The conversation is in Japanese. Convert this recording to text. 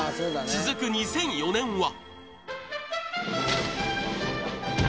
続く２００４年は？